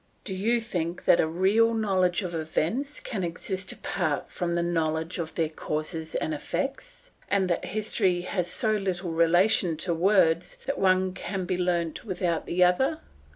Do you think that a real knowledge of events can exist apart from the knowledge of their causes and effects, and that history has so little relation to words that the one can be learnt without the other?